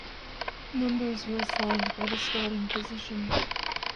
Numbers were assigned by the starting position.